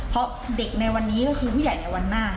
เพราะเด็กในวันนี้ก็คือผู้ใหญ่ในวันหน้า